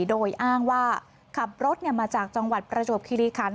โดยอ้างว่าขับรถมาจากจังหวัดประจวบคิริคัน